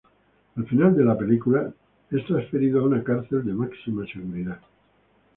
Al final de la película, es transferido a una cárcel de máxima seguridad.